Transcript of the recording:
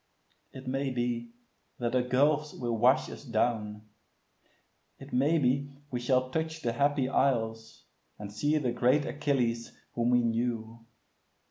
It may be that the gulfs will wash us down; It may be we shall touch the Happy Isles, And see the great Achilles, whom we knew.